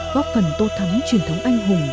góp phần tô thắng truyền thống anh hùng